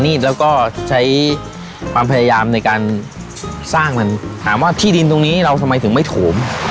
นี่เราทำไมถึงไม่โถม